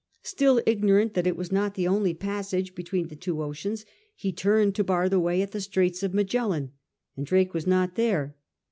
Still ignorant that it was not the only passage between the two oceans, he turned to bar the way at the Straits of Magellan, and Drake was not there.